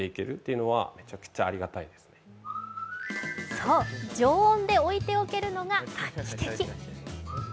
そう、常温で置いておけるのが画期的。